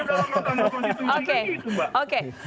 jadi akhirnya kami ajukan ke dalam mahkamah konstitusi